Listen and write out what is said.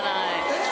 えっ！